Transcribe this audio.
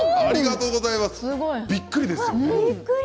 びっくりですよね。